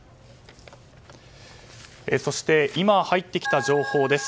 そして今、入ってきた情報です。